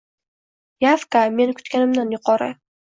Yavka men kutganimdan yuqori